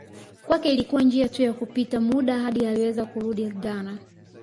Kwake ilikuwa njia tu ya kupita muda hadi aliweza kurudi Ghana